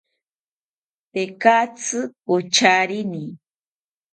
Tekatzi pocharini